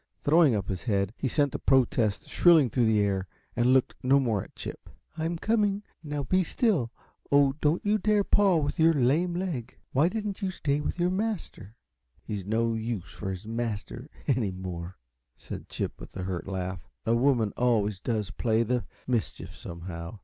Throwing up his head, he sent a protest shrilling through the air, and looked no more at Chip. "I'm coming, now be still. Oh, don't you dare paw with your lame leg! Why didn't you stay with your master?" "He's no use for his master, any more," said Chip, with a hurt laugh. "A woman always does play the mischief, somehow.